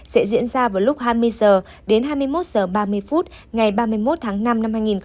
sẽ diễn ra vào lúc hai mươi h đến hai mươi một h ba mươi phút ngày ba mươi một tháng năm năm hai nghìn hai mươi